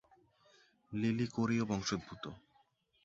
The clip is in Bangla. লিলি কোরীয় বংশোদ্ভূত।